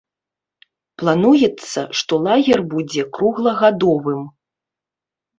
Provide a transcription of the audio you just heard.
Плануецца, што лагер будзе круглагадовым.